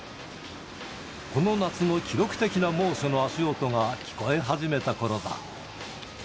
この夏の記録的な猛暑の足音が聞こえ始めたころだ。